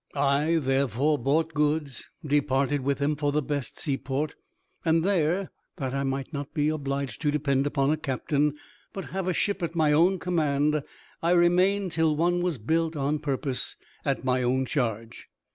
I therefore bought goods, departed with them for the best seaport; and there, that I might not be obliged to depend upon a captain, but have a ship at my own command, I remained till one was built on purpose, at my own charge.